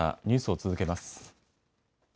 ニュースを続けます。